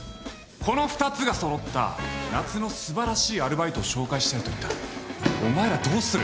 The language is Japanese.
この２つが揃った夏の素晴らしいアルバイトを紹介したいと言ったらお前らどうする？